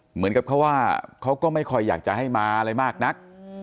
เหมือนกับเขาว่าเขาก็ไม่ค่อยอยากจะให้มาอะไรมากนัก